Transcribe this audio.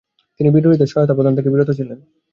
তিনি বিদ্রোহীদের সহায়তা প্রদান থেকে বিরত ছিলেন।